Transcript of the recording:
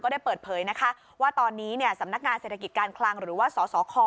ได้เปิดเผยนะคะว่าตอนนี้สำนักงานเศรษฐกิจการคลังหรือว่าสสค